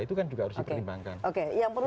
itu kan juga harus dipertimbangkan oke yang perlu